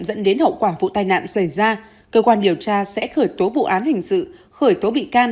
dẫn đến hậu quả vụ tai nạn xảy ra cơ quan điều tra sẽ khởi tố vụ án hình sự khởi tố bị can